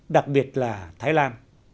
đặc biệt là thái lan